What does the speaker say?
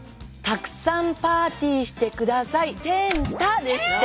「たくさんパーティーしてください。てんた」ですって。